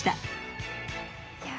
いや